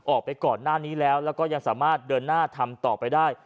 ออกไปก่อนหน้านี้แล้วแล้วก็ยังสามารถเดินหน้าทำต่อไปได้